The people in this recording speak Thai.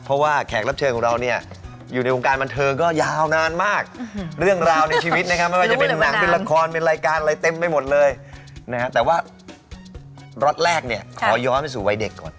เพราะว่าแขกรับเชิญของเราเนี่ยอยู่ในวงการบันเทิงก็ยาวนานมากเรื่องราวในชีวิตนะครับไม่ว่าจะเป็นหนังเป็นละครเป็นรายการอะไรเต็มไปหมดเลยนะฮะแต่ว่าล็อตแรกเนี่ยขอย้อนไปสู่วัยเด็กก่อน